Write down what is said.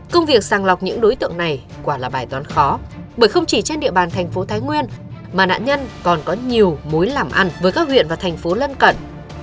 công việc sàng lọc những đối tượng này quả là bài toán khó bởi không chỉ trên địa bàn thành phố thái nguyên mà nạn nhân còn có nhiều mối làm ăn với các huyện và thành phố lân cận